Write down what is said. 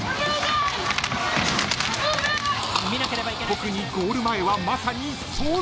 ［特にゴール前はまさに壮絶］